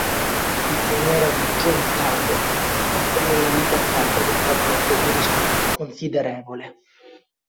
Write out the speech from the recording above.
Prigioniero di John Talbot, ottenne la libertà dopo il pagamento di un riscatto considerevole.